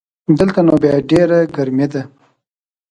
دلته نو بیا ډېره ګرمي ده